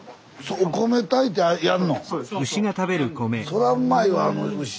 そらうんまいわあの牛。